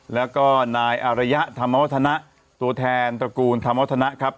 แล้วก็นายอารยะธรรมวัฒนะตัวแทนตระกูลธรรมวัฒนะครับ